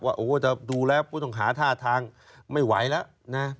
ว่าโอ้วจะดูแล้วคุณต้องหาท่าทางไม่ไหวแล้ว